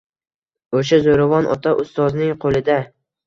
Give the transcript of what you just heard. O‘sha zo‘ravon ota ustozning qo‘lida.